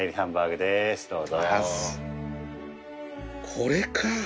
これか！